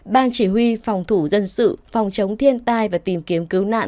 ban chỉ huy phòng thủ dân sự phòng chống thiên tai và tìm kiếm cứu nạn